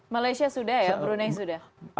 malaysia sudah ya brunei sudah